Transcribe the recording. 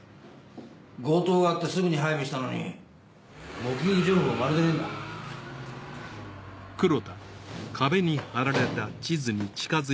強盗があってすぐに配備したのに目撃情報がまるでないんだ。